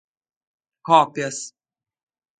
cópias